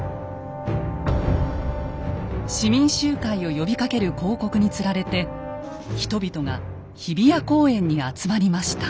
市民集会を呼びかける広告につられて人々が日比谷公園に集まりました。